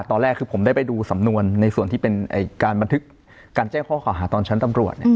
ตอนแรกคือผมได้ไปดูสำนวนในส่วนที่เป็นการบันทึกการแจ้งข้อข่าวหาตอนชั้นตำรวจ